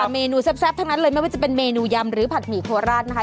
เมนูแซ่บทั้งนั้นเลยไม่ว่าจะเป็นเมนูยำหรือผัดหมี่โคราชนะคะ